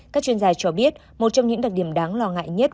các chuyên gia cho biết một trong những đặc điểm đáng lo ngại nhất